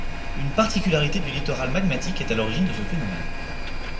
Une particularité du littoral magmatique est à l'origine de ce phénomène.